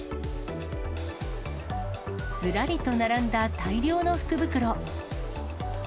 ずらりと並んだ大量の福袋。